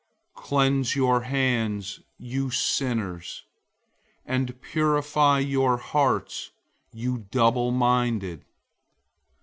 Cleanse your hands, you sinners; and purify your hearts, you double minded.